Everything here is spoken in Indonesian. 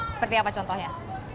seperti apa contohnya